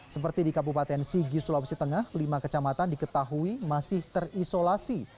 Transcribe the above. seperti di kabupaten sigi sulawesi tengah lima kecamatan diketahui masih terisolasi